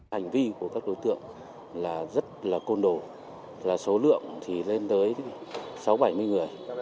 hành vi của các đối tượng là rất là côn đồ là số lượng thì lên tới sáu bảy mươi người